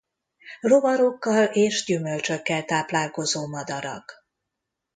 Rovarokkal és gyümölcsökkel táplálkozó madarak.